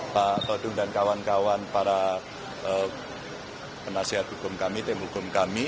pak todung dan kawan kawan para penasihat hukum kami tim hukum kami